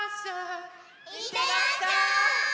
いってらっしゃい。